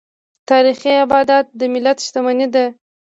تاریخي ابدات د ملت شتمني ده.